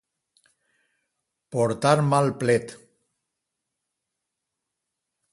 Portar mal plet.